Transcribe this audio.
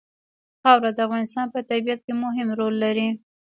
خاوره د افغانستان په طبیعت کې مهم رول لري.